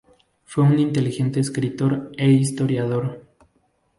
Fue un inteligente escritor e historiador.